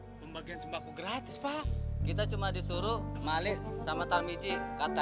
ayo naang pembagian sembako gratis pak kita cuma disuruh malik sama talmiji katanya